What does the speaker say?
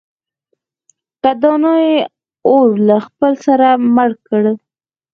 که دانا يې اور له خپله سره مړ کړه.